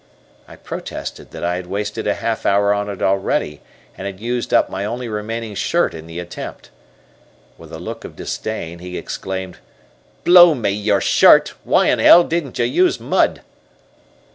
I protested that I had wasted a half hour on it already, and had used up my only remaining shirt in the attempt. With a look of disdain, he exclaimed: "Blow me, your shirt! Why in 'ell didn't you use mud?"